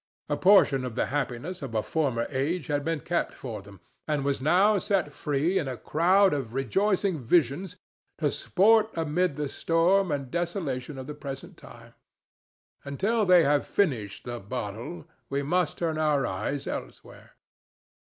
A portion of the happiness of a former age had been kept for them, and was now set free in a crowd of rejoicing visions to sport amid the storm and desolation of the present time. Until they have finished the bottle we must turn our eyes elsewhere.